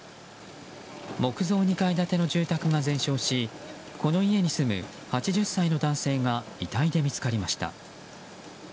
木造２階建ての住宅が全焼しこの家に住む８０歳の男性が遺体で見つかりました。